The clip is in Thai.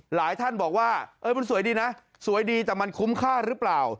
หลายท่านบอกว่าเออมันสวยดีนะสวยดีแต่มันคุ้มค่าหรือเปล่า